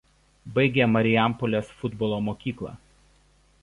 Baigė Marijampolės futbolo mokyklą.